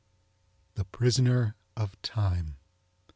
THE PRISONER OF TIME!